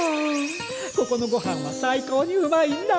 ここの御飯は最高にうまいんだ！